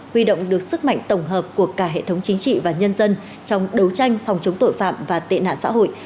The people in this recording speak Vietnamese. huy động được sức mạnh tổng hợp của cả hệ thống chính trị và nhân dân trong đấu tranh phòng chống tội phạm và tệ nạn xã hội